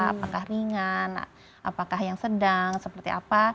apakah ringan apakah yang sedang seperti apa